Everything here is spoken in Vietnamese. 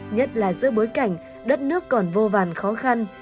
nhất là giữa bối cảnh đất nước còn vô vàn khó khăn